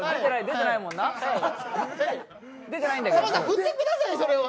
振ってくださいそれは。